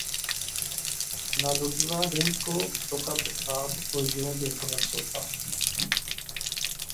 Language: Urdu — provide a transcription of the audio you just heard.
نہ لٹتا دن کو‘ تو کب رات کو یوں بے خبر سوتا!